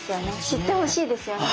知ってほしいですよね。